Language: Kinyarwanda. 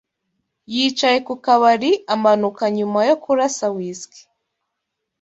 Yicaye ku kabari amanuka nyuma yo kurasa whisky.